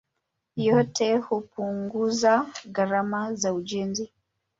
Yote hupunguza gharama za ujenzi.